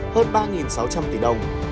hơn ba sáu trăm linh tỷ đồng